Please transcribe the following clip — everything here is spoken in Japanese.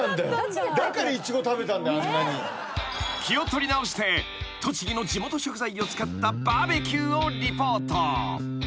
［気を取り直して栃木の地元食材を使ったバーベキューをリポート］